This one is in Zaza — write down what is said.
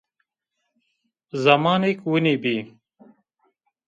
Zemanêk winî bî